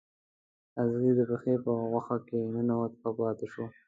اغزی د پښې په غوښه کې ننوت او پاتې شو.